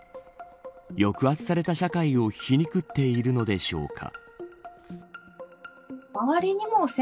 抑圧された社会を皮肉っているのでしょうか。